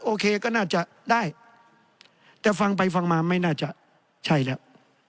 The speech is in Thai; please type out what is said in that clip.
โอเคก็น่าจะได้แต่ฟังไปฟังมาไม่น่าจะใช่แล้ว